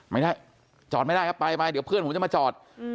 ไม่ได้จอดไม่ได้ครับไปไปเดี๋ยวเพื่อนผมจะมาจอด